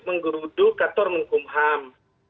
menggeruduk kator mengkumham